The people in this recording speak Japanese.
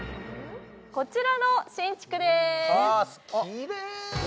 こちらの新築です。